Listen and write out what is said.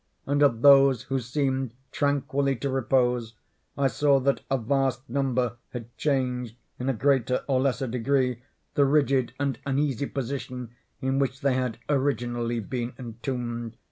And of those who seemed tranquilly to repose, I saw that a vast number had changed, in a greater or less degree, the rigid and uneasy position in which they had originally been entombed.